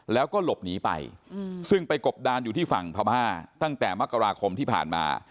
แล้วก็หลบหนีไปซึ่งไปกบดานอยู่ที่ฝั่งพม่าตั้งแต่มกราคมที่ผ่านมา